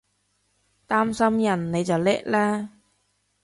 擔心人你就叻喇！